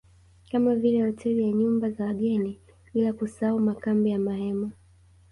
Kama vile hoteli na nyumba za wageni bila kusahau makambi ya mahema